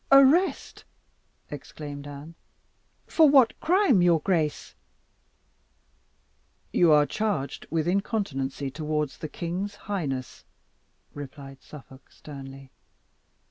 "Arrest!" exclaimed Anne; "for what crime, your grace?" "You are charged with incontinency towards the king's highness," replied Suffolk sternly.